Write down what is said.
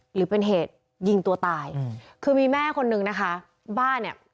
หรือเป็นเหตุยิงตัวตายอืมคือมีแม่คนนึงนะคะบ้านเนี่ย